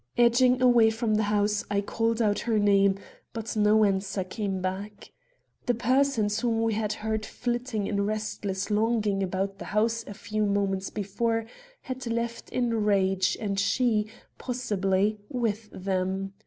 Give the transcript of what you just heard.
Edging away from the house, I called out her name, but no answer came back. The persons whom we had heard flitting in restless longing about the house a few moments before had left in rage and she, possibly, with them.